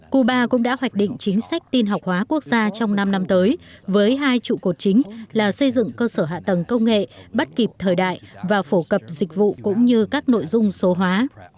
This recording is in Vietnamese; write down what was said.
cuba cũng đã hoạch định chính sách tin học hóa quốc gia trong năm năm tới với hai trụ cột chính là xây dựng cơ sở hạ tầng công nghệ bắt kịp thời đại và phổ cập dịch vụ cũng như các nội dung số hóa